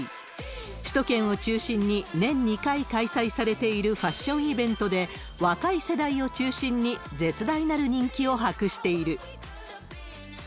首都圏を中心に、年２回開催されているファッションイベントで、若い世代を中心に絶大なる人気を博している。